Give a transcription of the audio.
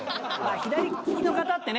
左利きの方ってね